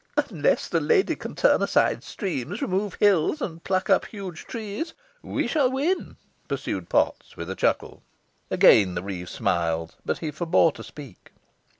"Unless the lady can turn aside streams, remove hills, and pluck up huge trees, we shall win," pursued Potts, with a chuckle. Again the reeve smiled, but he forebore to speak.